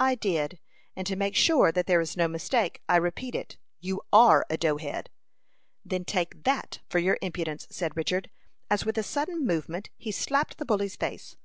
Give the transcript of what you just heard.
"I did; and to make sure that there is no mistake, I repeat it You are a dough head." "Then take that for your impudence!" said Richard, as with a sudden movement he slapped the bully's face.